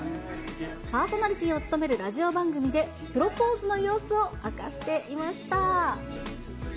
パーソナリティーを務めるラジオ番組でプロポーズの様子を明かしていました。